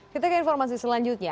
kita ke informasi selanjutnya